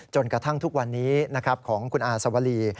จนกระทั่งทุกวันนี้ของคุณอาสวรี